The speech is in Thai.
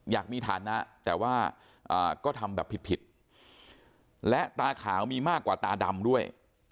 อยากมีฐานะแต่ว่าก็ทำแบบผิดและตาขาวมีมากกว่าตาดำด้วย